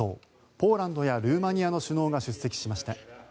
ポーランドやルーマニアの首脳が出席しました。